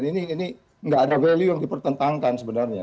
ini nggak ada value yang dipertentangkan sebenarnya